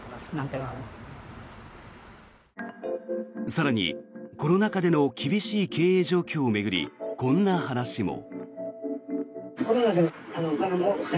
更に、コロナ禍での厳しい経営状況を巡りこんな話も。